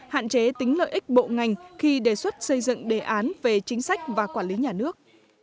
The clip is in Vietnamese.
hạn chế tính lợi ích bộ ngành khi đề xuất xây dựng đề án về chính sách và quản lý nhà nước